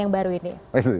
yang baru ini